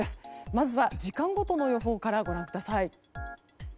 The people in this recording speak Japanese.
まずは時間ごとの予報からご覧ください。